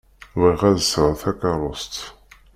Bɣiɣ ad sɛuɣ takeṛṛust.